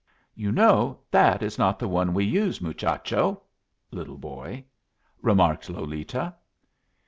"You know that is not the one we use, muchacho," (little boy), remarked Lolita.